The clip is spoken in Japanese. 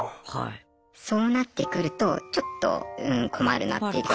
そうなってくるとちょっとうん困るなっていうか。